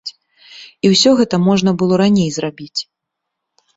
І гэта ўсё можна было раней зрабіць.